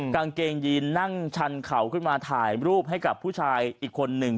กางเกงยีนนั่งชันเขาขึ้นมาถ่ายรูปให้กับผู้ชายอีกคนหนึ่ง